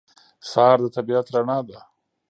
سهار د طبیعت رڼا ده.